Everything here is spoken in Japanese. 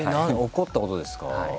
怒ったことですか？